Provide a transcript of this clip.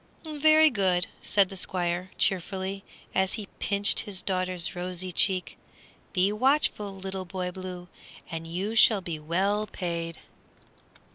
"Very good," said the Squire, cheerfully, as he pinched his daughter's rosy cheek; "be watchful, Little Boy Blue, and you shall be well paid."